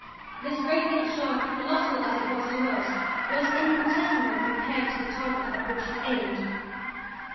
This radiant shaft, colossal as it was to us, was infinitesimal compared to the target at which it was aimed.